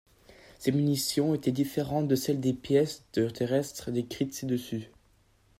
Ses munitions étaient différentes de celles des pièces de terrestres décrites ci-dessus.